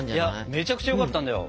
めちゃくちゃよかったんだよ！